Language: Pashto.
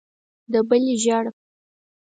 د بلې ژېړه.